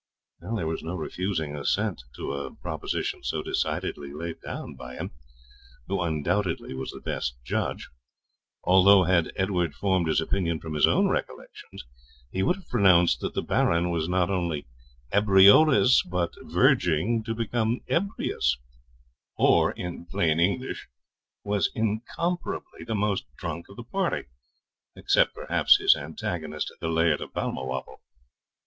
There was no refusing assent to a proposition so decidedly laid down by him, who undoubtedly was the best judge; although, had Edward formed his opinion from his own recollections, he would have pronounced that the Baron was not only ebriolus, but verging to become ebrius; or, in plain English, was incomparably the most drunk of the party, except perhaps his antagonist the Laird of Balmawhapple.